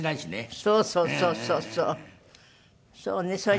そうそうそうそうそう。